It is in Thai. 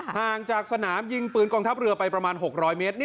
ห่างจากสนามยิงปืนกองทัพเรือไปประมาณ๖๐๐เมตร